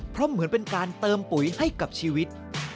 เพราะเหมือนเป็นการเติมปุ๋ยให้กับชีวิต